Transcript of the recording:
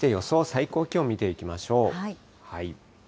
最高気温見ていきましょう。